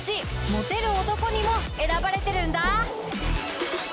モテる男にも選ばれてるんだ。